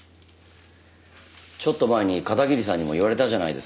ちょっと前に片桐さんにも言われたじゃないですか。